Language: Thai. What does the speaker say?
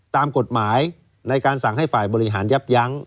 ตามกฎหมายในการสั่งให้ฝ่ายบริหารยับยั้ง